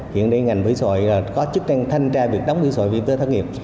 hiện nay ngành bởi sội có chức trang thanh tra việc đóng bởi sội bởi tư thân nghiệp